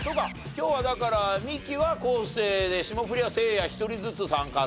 今日はだからミキは昴生で霜降りはせいや一人ずつ参加って事だね。